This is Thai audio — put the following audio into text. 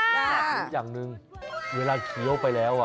คืออีกอย่างนึงเวลาเขี้ยวไปแล้ว